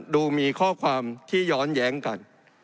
ดูมีข้อความที่ย้อนแย้งกัน